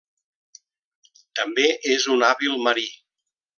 També és un hàbil marí.